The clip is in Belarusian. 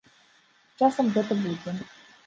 З часам гэта будзе.